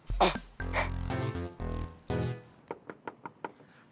nih aku tuh aku nanti